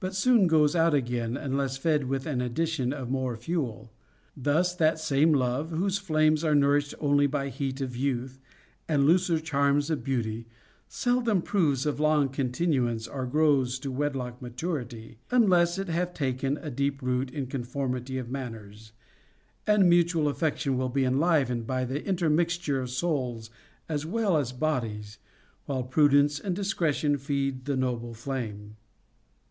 soon goes out again, unless fed with an addition of more fuel. Thus that same love, whose flames are nourished only by heat of youth and looser charms of beauty, sel dom proves of long continuance or grows to wedlock maturity, unless it have taken a deep root in conformity of manners, and mutual affection be enlivened by the intermixture of souls as well as bodies, while prudence and discretion feed the noble flame.